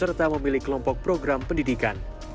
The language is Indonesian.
serta memilih kelompok program pendidikan